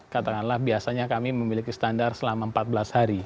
katakanlah biasanya kami memiliki standar selama empat belas hari